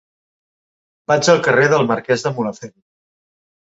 Vaig al carrer del Marquès de Mulhacén.